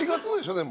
でも。